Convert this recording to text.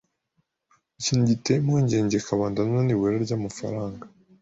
Ikintu giteye impungengeKabandana nibura ry’amafaranga .